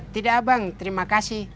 tidak abang terima kasih